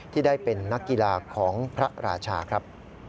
ที่ได้เป็นนักกีฬาของพระราชาครับ